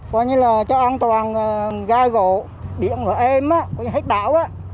có như là cho an toàn gai gỗ biển rồi êm hết đảo